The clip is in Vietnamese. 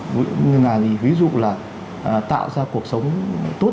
nhưng mà ví dụ là tạo ra cuộc sống tốt